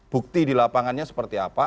bukti di lapangannya seperti apa